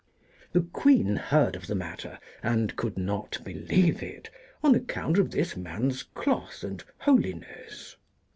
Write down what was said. The Queen heard of the matter and could not believe it, on account of this man's cloth and holiness.